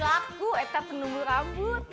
aku eta penuh rambut